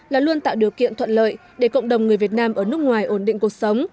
là luôn tạo điều kiện thuận lợi để cộng đồng người việt nam ở nước ngoài ổn định cuộc sống